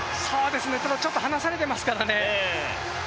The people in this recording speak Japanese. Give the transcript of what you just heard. ただちょっと離されていますからね。